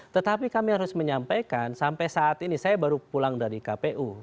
tetapi kami harus menyampaikan sampai saat ini saya baru pulang dari kpu